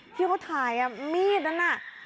ที่เขาถ่ายมีดนั่น